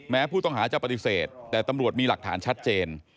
ผู้ต้องหาจะปฏิเสธแต่ตำรวจมีหลักฐานชัดเจน